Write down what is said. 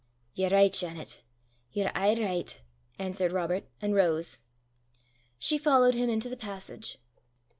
"Ye're richt, Janet; ye're aye richt," answered Robert, and rose. She followed him into the passage.